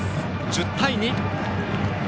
１０対２。